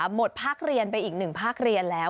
หมดภาคเรียนไปอีกหนึ่งภาคเรียนแล้ว